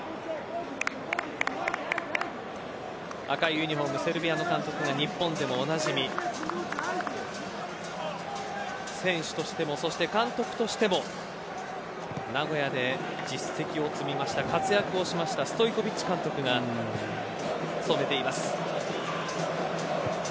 赤いユニホームセルビアの監督が日本でもおなじみ選手としても、監督としても名古屋で実績を積みました活躍をしましたストイコヴィッチ監督が務めています。